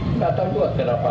tidak tahu saya kenapa